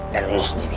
dan lo sendiri